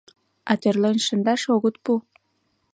А тӧрлен шындаш огыт пу.